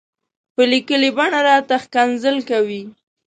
په ليکلې بڼه راته ښکنځل کوي.